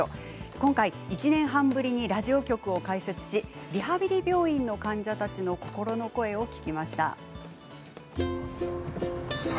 今回、１年半ぶりにラジオ局を開設しリハビリ病院の患者たちの心の声を聞きました。